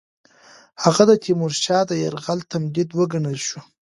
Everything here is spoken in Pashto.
هغه د تیمورشاه د یرغل تهدید وګڼل شو.